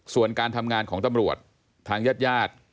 ส่วนการทำงานของตำรวจทางญาติญาติ